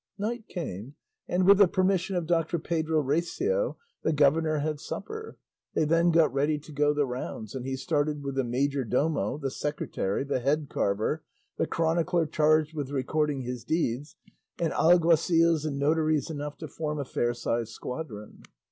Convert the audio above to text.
Night came, and with the permission of Doctor Pedro Recio, the governor had supper. They then got ready to go the rounds, and he started with the majordomo, the secretary, the head carver, the chronicler charged with recording his deeds, and alguacils and notaries enough to form a fair sized squadron.